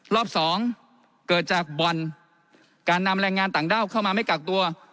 รอบสองเกิดจากบ่อนการนำแรงงานต่างด้าวเข้ามาไม่กักตัว